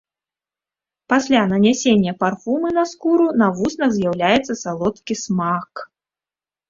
Пасля нанясення парфумы на скуру, на вуснах з'яўляецца салодкі смак.